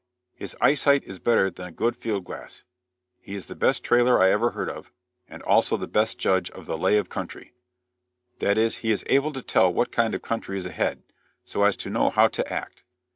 "His eye sight is better than a good field glass; he is the best trailer I ever heard of; and also the best judge of the 'lay of country,' that is, he is able to tell what kind of country is ahead, so as to know how to act.